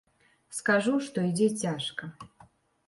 Скажу, што ідзе цяжка.